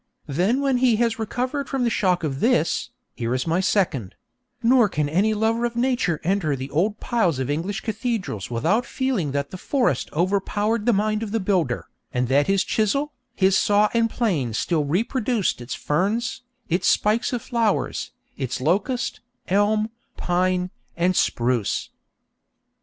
Then when he has recovered from the shock of this, here is my second: 'Nor can any lover of nature enter the old piles of English cathedrals without feeling that the forest overpowered the mind of the builder, and that his chisel, his saw and plane still reproduced its ferns, its spikes of flowers, its locust, elm, pine, and spruce.'